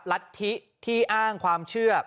รัฐธิที่อ้างความเชื่อ